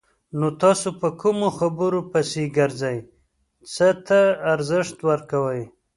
نو تاسو په کومو خبرو پسې ګرځئ! څه ته ارزښت ورکوئ؟